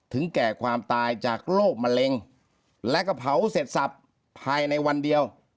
แก่ความตายจากโรคมะเร็งและก็เผาเสร็จสับภายในวันเดียว